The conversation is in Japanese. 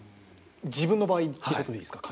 自分の場合ってことでいいですか？